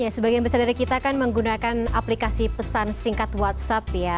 sebagian besar dari kita kan menggunakan aplikasi pesan singkat whatsapp ya